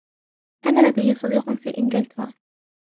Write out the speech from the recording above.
أنا لدي صديق في إنجلترا.